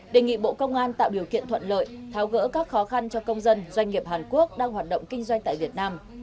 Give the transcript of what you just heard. đề nghị bộ công an tạo điều kiện thuận lợi tháo gỡ các khó khăn cho công dân doanh nghiệp hàn quốc đang hoạt động kinh doanh tại việt nam